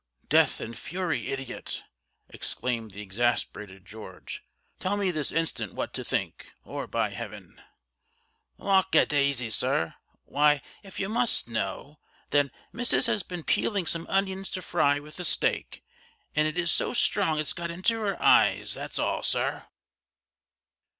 "Death and fury, idiot!" exclaimed the exasperated George; "tell me this instant what to think, or by Heaven "Lawk a daisey, sir, why, if you must know, then, missus has been peeling some onions to fry with the steak, and it is so strong it's got into her EYES, that's all sir!"